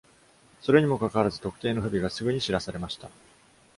それにも関わらず、特定の不備がすぐに知らされました。